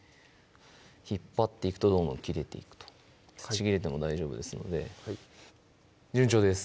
引っ張っていくとどんどん切れていくとちぎれても大丈夫ですのではい順調です